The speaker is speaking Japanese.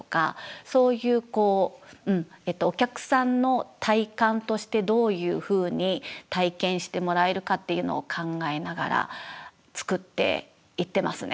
そういうこうお客さんの体感としてどういうふうに体験してもらえるかっていうのを考えながら作っていってますね。